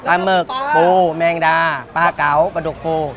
หมึกปูแมงดาปลาเก๋าปลาดกปู